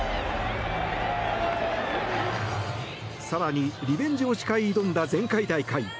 更に、リベンジを誓い挑んだ前回大会。